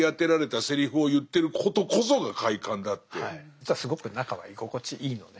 実はすごく中は居心地いいのね。